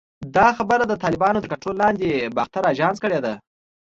دا خبره د طالبانو تر کنټرول لاندې باختر اژانس کړې ده